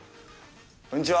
こんにちは。